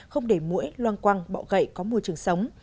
không để mũi loang quăng bọ gậy có môi trường sống